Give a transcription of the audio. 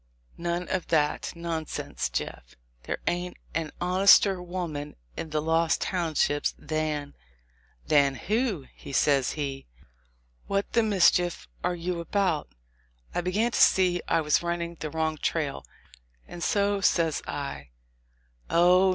None of that nonsense, Jeff; there ain't an honester women in the Lost Townships than" — "Than who?" says he; "what the mischief are you about?" I began to see I was running the wrong trail, and so says I, "Oh!